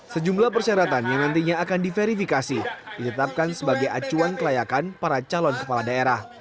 sejumlah persyaratan yang nantinya akan diverifikasi ditetapkan sebagai acuan kelayakan para calon kepala daerah